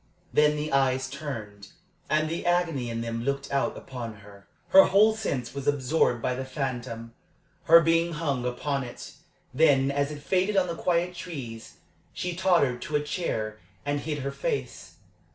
Then the eyes turned, and the agony in them looked out upon her. Her whole sense was absorbed by the phantom; her being hung upon it. Then, as it faded on the quiet trees, she tottered to a chair and hid her face.